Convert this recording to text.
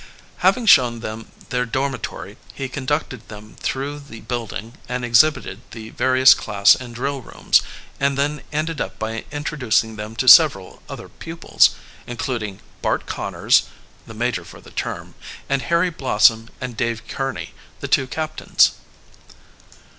Having shown then their dormitory he conducted them through the building and exhibited the various class and drill rooms, and then ended up by introducing them to several other pupils, including Bart Conners, the major for the term, and Harry Blossom and Dave Kearney, the two captains.